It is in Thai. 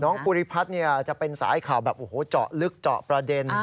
ภูริพัฒน์จะเป็นสายข่าวแบบโอ้โหเจาะลึกเจาะประเด็น